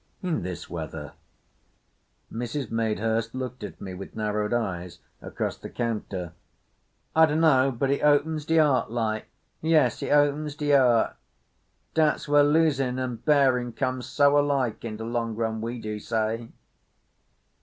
"In this weather?" Mrs. Madehurst looked at me with narrowed eyes across the counter. "I dunno but it opens de 'eart like. Yes, it opens de 'eart. Dat's where losin' and bearin' comes so alike in de long run, we do say."